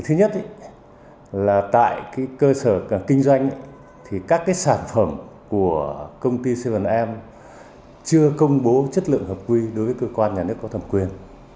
thứ nhất tại cơ sở kinh doanh các sản phẩm của công ty bảy am chưa công bố chất lượng hợp quy đối với cơ quan nhà nước có thẩm quyền